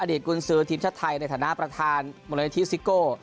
อดีตกุญศือทีมชาติไทยในฐานะประธานบริเวณที่ซิโก้